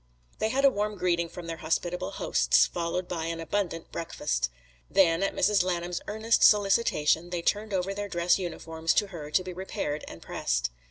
They had a warm greeting from their hospitable hosts, followed by an abundant breakfast. Then at Mrs. Lanham's earnest solicitation they turned over their dress uniforms to her to be repaired and pressed.